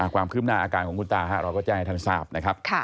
ความคืบหน้าอาการของคุณตาเราก็แจ้งให้ท่านทราบนะครับ